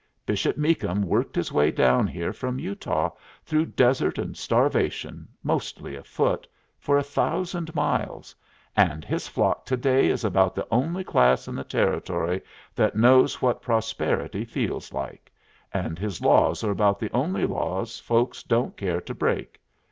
Bishop Meakum worked his way down here from Utah through desert and starvation, mostly afoot, for a thousand miles, and his flock to day is about the only class in the Territory that knows what prosperity feels like, and his laws are about the only laws folks don't care to break.